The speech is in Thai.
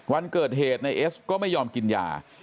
วันเกิดเหตุนายเอสก็ไม่ยอมกินยา